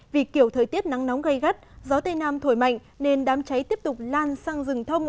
vì kiểu thời tiết nắng nóng gây gắt gió tây nam thổi mạnh nên đám cháy tiếp tục lan sang rừng thông